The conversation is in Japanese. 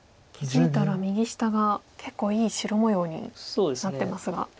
気付いたら右下が結構いい白模様になってますが。